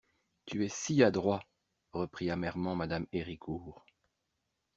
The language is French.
Tu es si adroit, reprit amèrement Mme Héricourt.